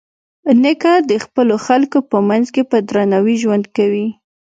نیکه د خپلو خلکو په منځ کې په درناوي ژوند کوي.